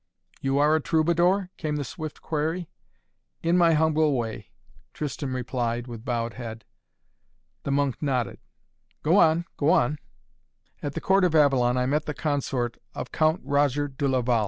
"You are a Troubadour?" came the swift query. "In my humble way." Tristan replied with bowed head. The monk nodded. "Go on go on!" "At the court of Avalon I met the consort of Count Roger de Laval.